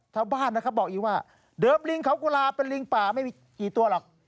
ชาวบ้านนะครับบอกอีกว่าเดิมลิงเขากุลาเป็นลิงป่าไม่มีกี่ตัวหรอก